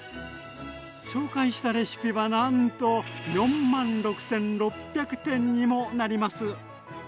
紹介したレシピはなんと４６，６００点にもなります。